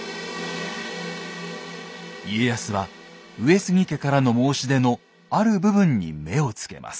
家康は上杉家からの申し出のある部分に目をつけます。